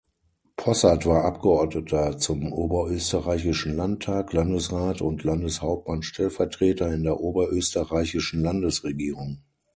Possart war Abgeordneter zum Oberösterreichischen Landtag, Landesrat und Landeshauptmann-Stellvertreter in der Oberösterreichischen Landesregierung.